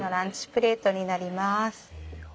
プレートになります。